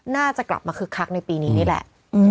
น่าจะกลับมาคึกคักในปีนี้นี่แหละ